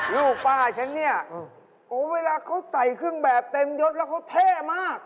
ลูกป้าฉันเนี่ยโอ้เวลาเขาใส่เครื่องแบบเต็มยดแล้วเขาเท่มาก